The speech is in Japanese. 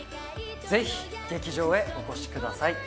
ぜひ劇場へお越しください